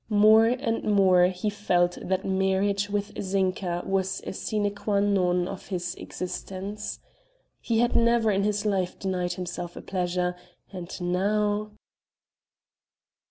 More and more he felt that marriage with Zinka was a sine qua non of his existence. He had never in his life denied himself a pleasure, and now....